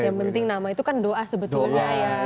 yang penting nama itu kan doa sebetulnya ya